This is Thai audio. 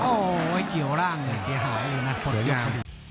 โอ้ยเกี่ยวร่างเสียหายเลยนะ